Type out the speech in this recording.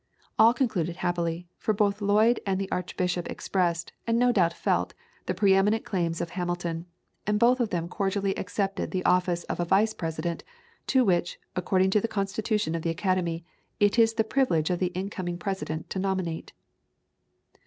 All concluded happily, for both Lloyd and the Archbishop expressed, and no doubt felt, the pre eminent claims of Hamilton, and both of them cordially accepted the office of a Vice President, to which, according to the constitution of the Academy, it is the privilege of the incoming President to nominate.